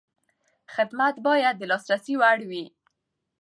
خدمت باید د لاسرسي وړ وي.